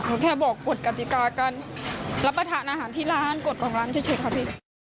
หนูแค่บอกกดกฎิกากันแล้วไปทานอาหารที่ร้านกดกล่องร้านเฉยเฉยครับพี่